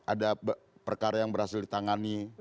ada perkara yang berhasil ditangani